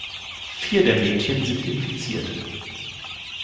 Vier der Mädchen sind infiziert.